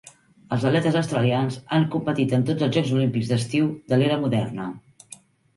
Els atletes australians han competit en tots els Jocs Olímpics d'estiu de l'era moderna.